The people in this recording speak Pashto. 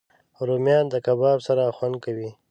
رومیان د کباب سره خوند کوي